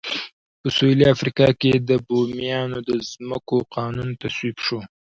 په سوېلي افریقا کې د بومیانو د ځمکو قانون تصویب شو.